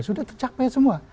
sudah tercapai semua